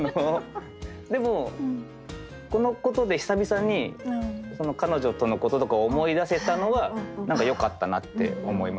でもこのことで久々に彼女とのこととかを思い出せたのは何かよかったなって思いました。